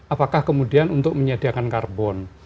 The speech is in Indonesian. apakah kemudian untuk menyediakan karbon